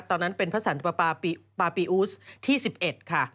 ตอนนั้นเป็นพระสันปาปีอูสที่๑๑ค่ะ